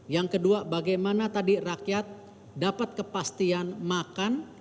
yang kedua bagaimana tadi rakyat dapat kepastian makan